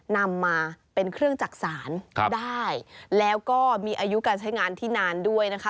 นำมาเป็นเครื่องจักษานได้แล้วก็มีอายุการใช้งานที่นานด้วยนะคะ